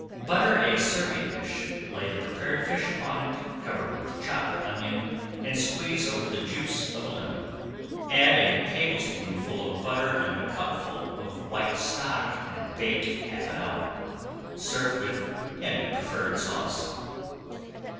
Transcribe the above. Butter a serving dish, lay the prepared fish upon it, cover with chopped onion, and squeeze over the juice of a lemon. Add a tablespoonful of butter and a cupful of white stock and bake half an hour. Serve with any preferred sauce.